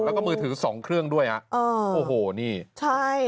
แล้วก็มือถือสองเครื่องด้วยฮะเออโอ้โหนี่ใช่